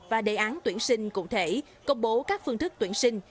và đề án tuyển sinh cụ thể công bố các phương thức tuyển sinh